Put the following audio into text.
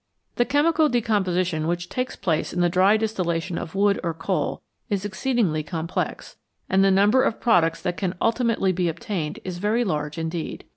The chemical decomposition which takes place in the dry distillation of wood or coal is exceedingly complex, and the number of products that can ultimately be obtained is very large indeed.